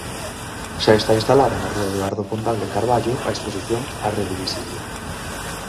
Xa está instalada na rúa Eduardo Pondal de Carballo a exposición "A rede visible".